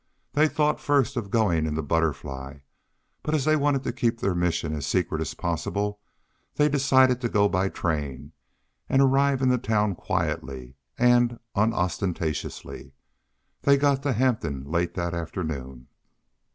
They thought first of going in the Butterfly, but as they wanted to keep their mission as secret as possible, they decided to go by train, and arrive in the town quietly and unostentatiously. They got to Hampton late that afternoon.